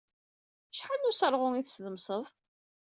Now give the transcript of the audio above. Acḥal n useṛɣu i tessdemseḍ?